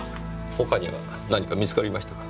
他には何か見つかりましたか？